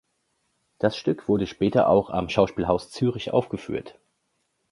Das Stück wurde später auch am Schauspielhaus Zürich aufgeführt.